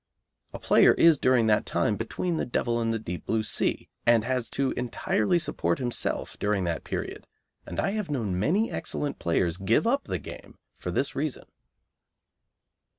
A player is during that time between the devil and the deep blue sea, and has to entirely support himself during that period, and I have known many excellent players give up the game for this reason.